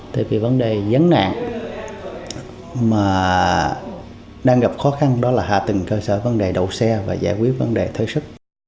tại vì vấn đề dấn nạn mà đang gặp khó khăn đó là hạ tình cơ sở vấn đề đỗ xe và giải quyết vấn đề thời sức